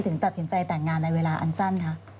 ตัดสินใจแต่งงานในเวลาอันสั้นคะ